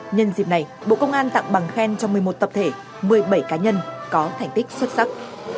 nhân dịp này bộ công an tặng bằng khen cho một mươi một tập thể một mươi bảy cá nhân có thành tích xuất sắc